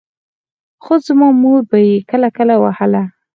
خو زما مور به يې کله کله وهله.